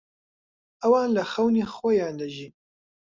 ئەوان لە خەونی خۆیان دەژین.